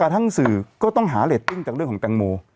ทั้งสื่อก็ต้องหาเรตติ้งจากเรื่องของแตงโม